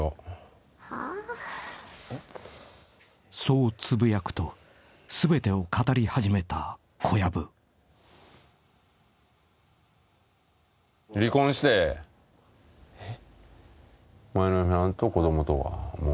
［そうつぶやくと全てを語り始めた小籔］えっ⁉えっ⁉